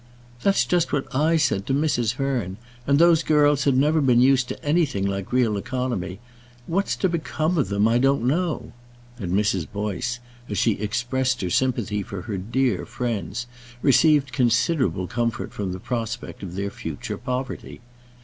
"That's just what I said to Mrs. Hearn. And those girls have never been used to anything like real economy. What's to become of them I don't know;" and Mrs. Boyce, as she expressed her sympathy for her dear friends, received considerable comfort from the prospect of their future poverty.